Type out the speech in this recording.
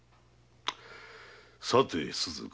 さて鈴華。